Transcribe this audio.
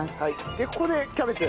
でここでキャベツ。